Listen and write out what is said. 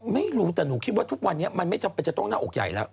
ไม่รู้แต่หนูคิดว่าทุกวันนี้มันไม่จำเป็นจะต้องหน้าอกใหญ่แล้ว